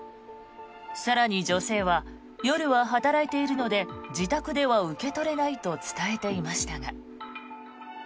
更に、女性は夜は働いているので自宅では受け取れないと伝えていましたが。